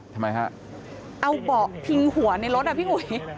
ทำไมฮะเอาเบาะพิงหัวในรถอ่ะพี่อุ๋ย